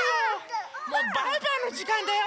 もうバイバイのじかんだよ！